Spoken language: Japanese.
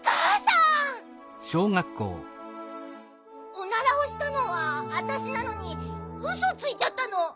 オナラをしたのはあたしなのにウソついちゃったの。